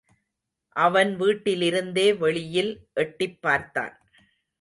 அவன் வீட்டிலிருந்தே வெளியில் எட்டிப் பார்த்தான்.